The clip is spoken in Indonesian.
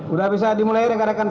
udah bisa dimulai renggarekan sekalian